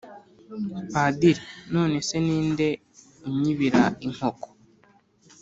padiri:"none se ni nde unyibira inkoko ????"